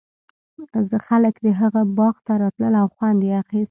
خلک د هغه باغ ته راتلل او خوند یې اخیست.